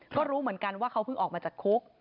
ก็รู้เหมือนกันว่าเขาเพิ่งออกมาจากคุก